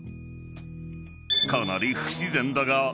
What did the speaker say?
［かなり不自然だが］